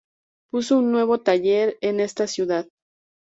Puso un nuevo taller en esta ciudad.